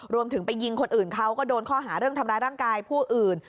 รวมถึงไปยิงคนอื่นเขาก็โดนข้อหาเรื่องทำร้ายร่างกายผู้อื่น